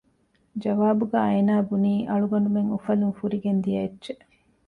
ޖަވާބުގައި އޭނާބުނީ އަޅުގަނޑުމެން އުފަލުން ފުރިގެން ދިޔައެއްޗެއް